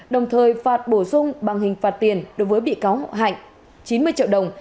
đồng thời phạt bổ sung bằng hình phạt tiền đối với bị cáo hậu hạnh chín mươi triệu đồng